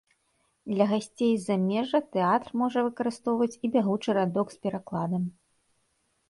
Для гасцей з замежжа тэатр можа выкарыстоўваць і бягучы радок з перакладам.